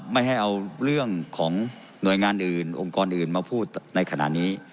ไม่ให้เอาเรื่องของหน่วยงานอื่นองค์กรอื่นมาพูดในขณะนี้